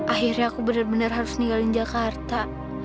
akhirnya aku bener bener harus ninggalin jakarta